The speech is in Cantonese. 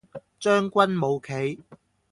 將軍冇棋